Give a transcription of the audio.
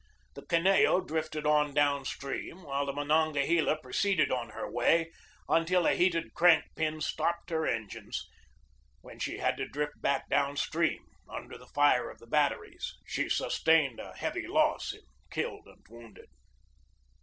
The Kineo drifted on downstream, while the Mononga hela proceeded on her way until a heated crank pin stopped her engines, when she had to drift back downstream under the fire of the batteries. She sustained a heavy loss in killed and wounded.